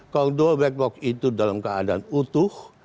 kalau dua black box itu dalam keadaan utuh